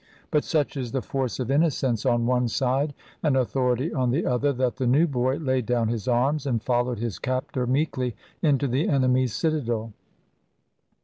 But such is the force of innocence on one side, and authority on the other, that the new boy laid down his arms, and followed his captor meekly into the enemy's citadel.